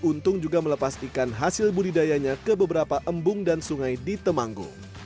untung juga melepas ikan hasil budidayanya ke beberapa embung dan sungai di temanggung